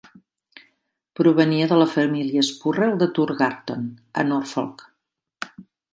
Provenia de la família Spurrell de Thurgarton, a Norfolk.